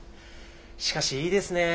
しかしいいですねえ